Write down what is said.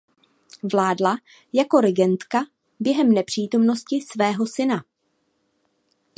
Vládla jako regentka během nepřítomnosti svého syna.